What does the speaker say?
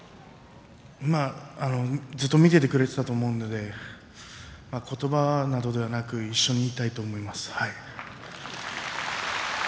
まあ、ずっと見ていてくれたと思うんで言葉などではなくて一緒にいたいと思います。